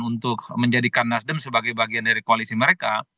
untuk menjadikan nasdem sebagai bagian dari koalisi mereka